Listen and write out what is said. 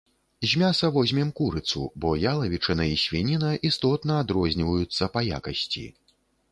З мяса возьмем курыцу, бо ялавічына і свініна істотна адрозніваюцца па якасці.